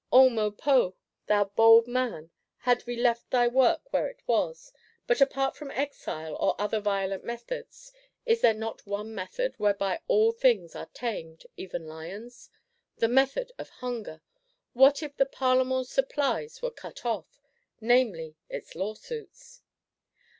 O Maupeou, thou bold man, had we left thy work where it was!—But apart from exile, or other violent methods, is there not one method, whereby all things are tamed, even lions? The method of hunger! What if the Parlement's supplies were cut off; namely its Lawsuits!